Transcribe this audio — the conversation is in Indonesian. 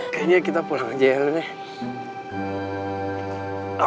kayanya kita pulang aja ya elennya